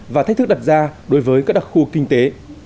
và thách thức đặt ra đối với các đặc khu kinh tế